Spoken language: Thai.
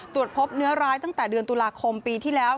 ตรวจพบเนื้อร้ายตั้งแต่เดือนตุลาคมปีที่แล้ว